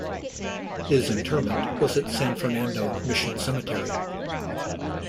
His interment was at San Fernando Mission Cemetery.